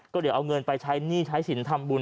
ก็เดี๋ยวเอาเงินไปใช้หนี้ใช้สินทำบุญ